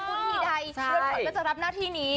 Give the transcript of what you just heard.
งั้นพูดที่ใดเราจะรับหน้าที่นี้